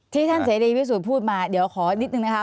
ท่านเสรีวิสูจน์พูดมาเดี๋ยวขอนิดนึงนะคะ